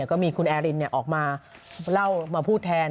ก็มีคุณแอรินออกมาเล่ามาพูดแทน